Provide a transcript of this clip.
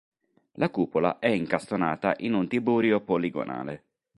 La cupola è incastonata in un tiburio poligonale.